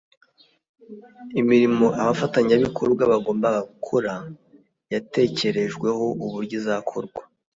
Imirimo abafatanyabikorwa bagombaga kuzakora yatekerejweho uburyo izakorwa